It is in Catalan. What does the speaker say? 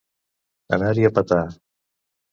Anar-hi a petar.